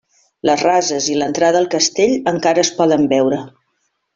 Les rases i l'entrada al castell encara es poden veure.